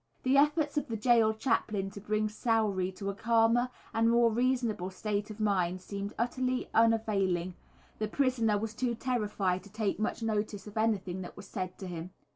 The efforts of the gaol chaplain to bring Sowrey to a calmer and more reasonable state of mind seemed utterly unavailing, the prisoner was too terrified to take much notice of anything that was said to him.